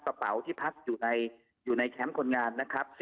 กระเป๋าที่พักอยู่ในแคมป์คนงานนะครับ